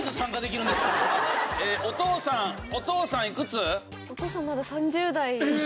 お父さんお父さんいくつ？